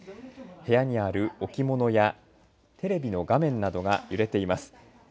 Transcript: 部屋にある置物やテレビの画面などが揺れています。